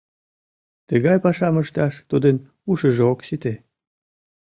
— Тыгай пашам ышташ тудын ушыжо ок сите.